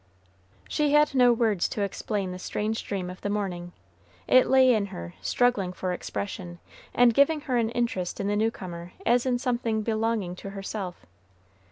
She had no words to explain the strange dream of the morning; it lay in her, struggling for expression, and giving her an interest in the new comer as in something belonging to herself.